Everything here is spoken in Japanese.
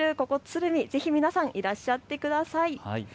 ここ鶴見、ぜひ皆さんいらっしゃってください。